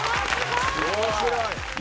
面白い。